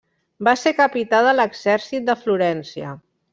Va ser capità de l'exèrcit de Florència.